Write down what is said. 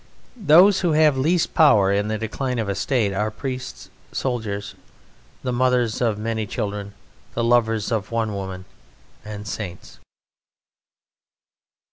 Those who have least power in the decline of a State, are priests, soldiers, the mothers of many children, the lovers of one woman, and saints.